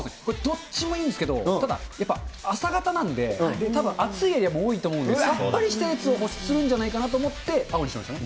どっちでもいいんですけど、ただ、やっぱ朝方なんで、たぶん、暑いエリアも多いと思うんで、さっぱりしたやつを欲するんじゃないかと思って、青にしましたね。